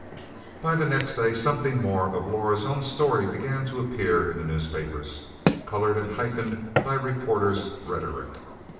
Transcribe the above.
By the next day something more of Laura's own story began to appear in the newspapers, colored and heightened by reporters' rhetoric.